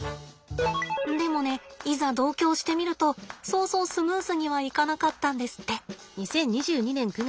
でもねいざ同居をしてみるとそうそうスムーズにはいかなかったんですって。